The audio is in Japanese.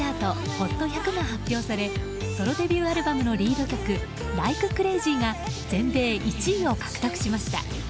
ＨＯＴ１００が発表され発表されソロデビューアルバムのリード曲「ＬｉｋｅＣｒａｚｙ」が全米１位を獲得しました。